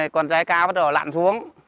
con rái cá bắt đầu lặn xuống